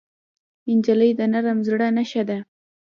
نجلۍ د نرم زړه نښه ده.